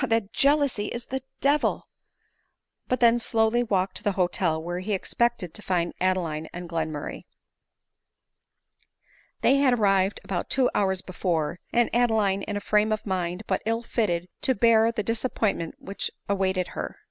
— that jealousy is the devil." He then ADELINE MOWBRAY. n« slowly walked to the hotel, where he expected to find Adeline and Glenmurray. They had arrived about two hours before ; and Ado line in a frame of mind but ill fitted to bear the disap pointment which awaited her.